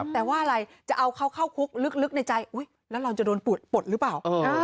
แต่ว่าอะไรจะเอาเขาเข้าคุกลึกในใจอุ๊ยแล้วเราจะโดนปวดหรือเปล่า